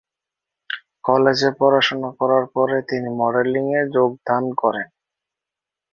কলেজে পড়াশোনা করার পরে তিনি মডেলিংয়ে যোগদান করেন।